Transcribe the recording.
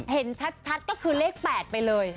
เห็นชัดก็คือเลข๘ไปเลย